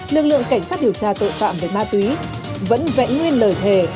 lực lượng cảnh sát điều tra tội phạm về ma túy vẫn vẹn nguyên lời thề